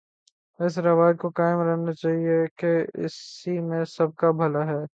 اس روایت کو قائم رہنا چاہیے کہ اسی میں سب کابھلا ہے۔